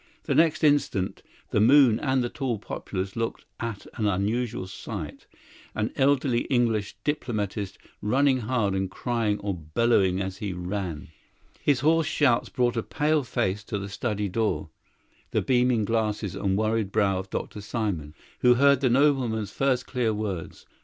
The next instant the moon and the tall poplars looked at an unusual sight an elderly English diplomatist running hard and crying or bellowing as he ran. His hoarse shouts brought a pale face to the study door, the beaming glasses and worried brow of Dr. Simon, who heard the nobleman's first clear words.